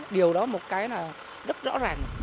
điều đó một cái là rất rõ ràng